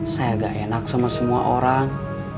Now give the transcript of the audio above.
saya agak enak sama semua orang